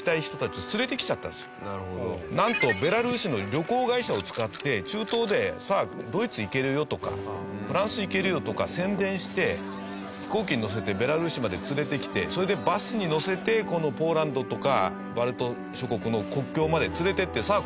なんとベラルーシの旅行会社を使って中東でさあドイツ行けるよとかフランス行けるよとか宣伝して飛行機に乗せてベラルーシまで連れてきてそれでバスに乗せてこのポーランドとかバルト諸国の国境まで連れていってさあ